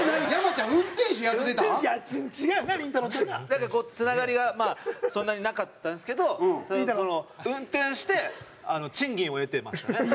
なんかこうつながりがそんなになかったんですけど運転して賃金を得てましたね。